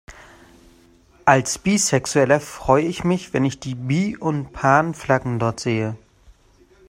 Als Bisexueller freu ich mich, wenn ich die Bi- und Pan-Flaggen dort sehe.